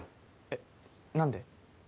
えっ何で？